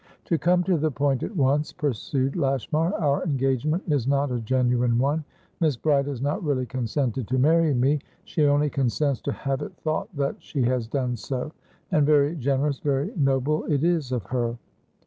"To come to the point at once," pursued Lashmar, "our engagement is not a genuine one. Miss Bride has not really consented to marry me. She only consents to have it thought that she has done so. And very generous, very noble, it is of her."